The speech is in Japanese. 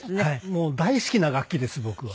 もう大好きな楽器です僕は。